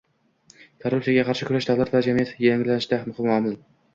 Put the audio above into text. Korrupsiyaga qarshi kurash – davlat va jamiyat yangilanishida muhim omilng